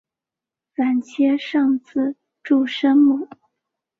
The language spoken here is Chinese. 反切上字注声母。